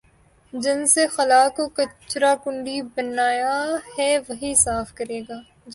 جس نے خلاکو کچرا کنڈی بنایا ہے وہی صاف کرے گا